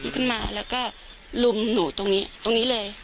ขึ้นมาแล้วก็ลุมหนูตรงนี้ตรงนี้เลย